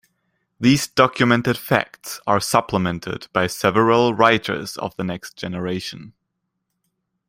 These documented facts are supplemented by several writers of the next generation.